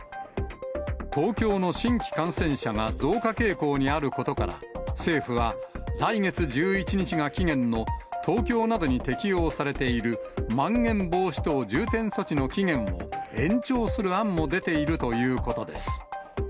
東京の新規感染者が増加傾向にあることから、政府は、来月１１日が期限の東京などに適用されているまん延防止等重点措置の期限を延長する案も出ているということです。